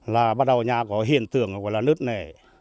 là bắt đầu nhà có hiện tượng gọi là nứt nè